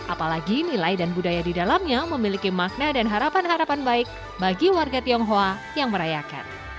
apalagi nilai dan budaya di dalamnya memiliki makna dan harapan harapan baik bagi warga tionghoa yang merayakan